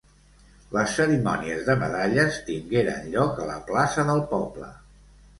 Les cerimònies de medalles tingueren lloc a la plaça del poble.